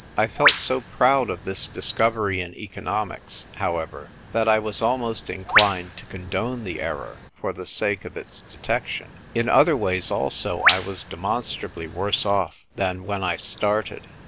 I felt so proud of this discovery in economics, hov/ever, that I was almost in clined to condone the error for the sake of its detection. In other ways, also, I was demon strably worse off than w^hen I started.